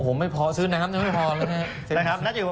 โอ้โหไม่พอซื้อน้ำชัวร์ไม่พอแล้ว